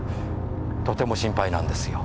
とても心配なんですよ。